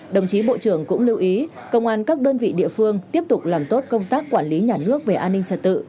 đồng chí bộ trưởng cũng lưu ý công an các đơn vị địa phương tiếp tục làm tốt công tác quản lý nhà nước về an ninh trật tự